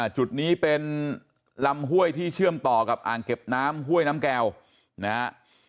จุดนี้เป็นลำห้วยที่เชื่อมต่อกับอ่างเก็บน้ำห้วยน้ำแก้วนะฮะ